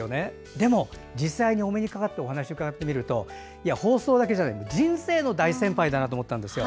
でも実際にお目にかかってお話を伺ってみると放送だけじゃなくて人生の大先輩だなと思ったんです。